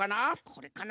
これかな？